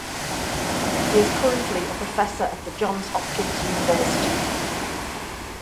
He is currently a professor at the Johns Hopkins University.